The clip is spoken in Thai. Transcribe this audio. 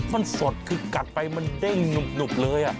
มันสดคือกัดไปมันเด้งหนุบเลย